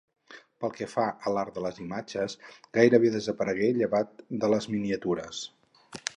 Pel que fa a l'art de les imatges, gairebé desaparegué, llevat de les miniatures.